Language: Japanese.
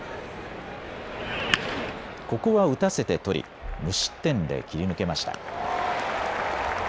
ここは打たせて取り無失点で切り抜けました。